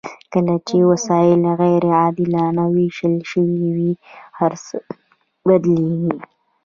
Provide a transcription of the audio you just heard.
کله چې وسایل غیر عادلانه ویشل شوي وي هرڅه بدلیږي.